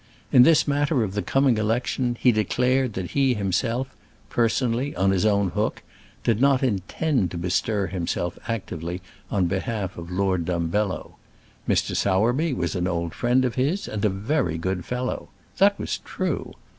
In this matter of the coming election he declared that he himself, personally, on his own hook, did intend to bestir himself actively on behalf of Lord Dumbello. Mr. Sowerby was an old friend of his, and a very good fellow. That was true.